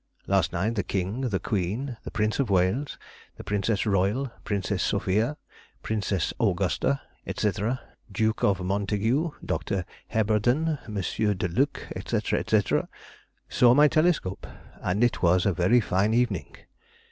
Last night the King, the Queen, the Prince of Wales, the Princess Royal, Princess Sophia, Princess Augusta, &c., Duke of Montague, Dr. Heberden, M. de Luc, &c., &c., saw my telescope, and it was a very fine evening.